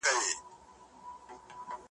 د نورو تر شعرونو هم مغلق سي `